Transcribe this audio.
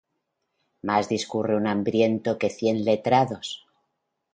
Mas discurre un hambriento que cien letrados.